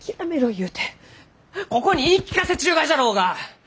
言うてここに言い聞かせちゅうがじゃろうが！